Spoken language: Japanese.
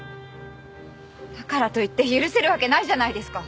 だからといって許せるわけないじゃないですか！